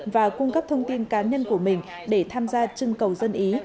và cung cấp thông tin cá nhân của mình để tham gia trưng cầu dân ý